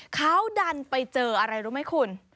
เขาดันไปเจออะไรรู้ไหมคุณ